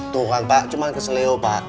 tuhan pak cuma ke sileo pak